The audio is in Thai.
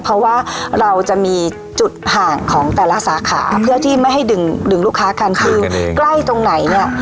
เพราะว่าเราจะมีจุดห่างของแต่ละสาขาเพื่อที่ไม่ให้ดึงดึงลูกค้ากันคือใกล้ตรงไหนเนี่ย